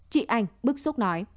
chị anh tầm sự